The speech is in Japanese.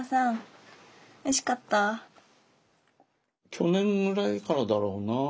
去年ぐらいからだろうなあ。